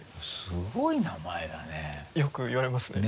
すごい名前だね。